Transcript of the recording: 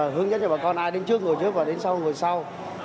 hướng dẫn cho bà con ai đến trước người trước và đến sau người sau